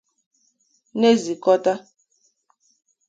na-ezikọta